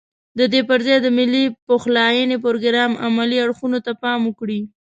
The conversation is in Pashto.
ددې پرځای د ملي پخلاينې پروګرام عملي اړخونو ته پام وکړي.